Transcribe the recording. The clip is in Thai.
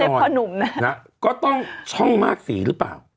ไม่ใช่พ่อนุ่มนะนะฮะก็ต้องช่องมากสีหรือเปล่า